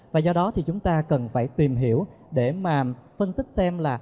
và do đó thì chúng ta cần phải tìm hiểu để mà phân tích xem là